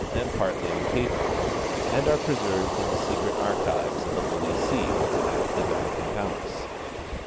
199 and partly on paper, and are preserved in the secret archives of the Holy See, at the Vatican palace.